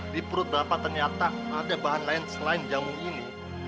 di perut berapa ternyata ada bahan lain selain jamu ini